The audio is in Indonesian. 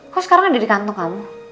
kok sekarang ada di kantong kamu